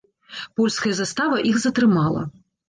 Польская застава іх затрымала.